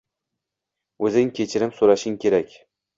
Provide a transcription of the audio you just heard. Oʻzing kechirim soʻrashing kerak.